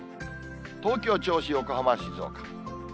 東京、銚子、横浜、静岡。